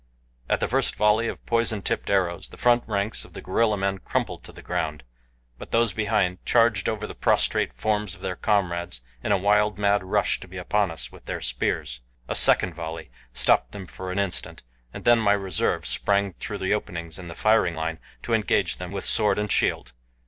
At the first volley of poison tipped arrows the front ranks of the gorilla men crumpled to the ground; but those behind charged over the prostrate forms of their comrades in a wild, mad rush to be upon us with their spears. A second volley stopped them for an instant, and then my reserve sprang through the openings in the firing line to engage them with sword and shield.